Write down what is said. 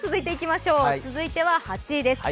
続いては８位です。